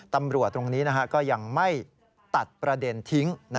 ตรงนี้ก็ยังไม่ตัดประเด็นทิ้ง